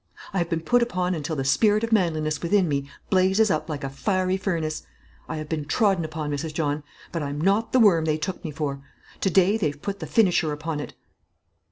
I have been put upon until the spirit of manliness within me blazes up like a fiery furnace. I have been trodden upon, Mrs. John; but I'm not the worm they took me for. To day they've put the finisher upon it."